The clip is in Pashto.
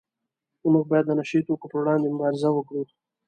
موږ باید د نشه یي توکو پروړاندې مبارزه وکړو